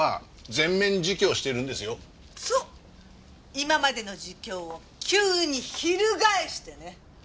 今までの自供を急に翻してね。